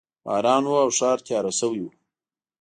باران و او ښار تیاره شوی و